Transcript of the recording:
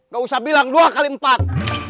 gak usah bilang dua x empat